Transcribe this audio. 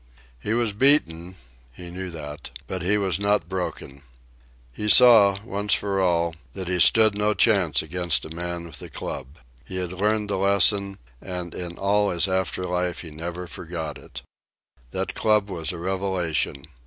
He was beaten (he knew that); but he was not broken. He saw, once for all, that he stood no chance against a man with a club. He had learned the lesson, and in all his after life he never forgot it. That club was a revelation.